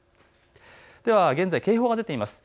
では現在、警報が出ています。